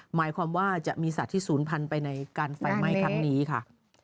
หมายความว่าจะมีสัตว์ที่ศูนย์พันธุ์ไปในการไฟไหม้ครั้งนี้ค่ะ